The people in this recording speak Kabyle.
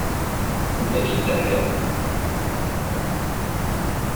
Anda akka i terriḍ?